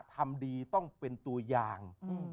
ทำดีต้องเป็นตัวอย่าง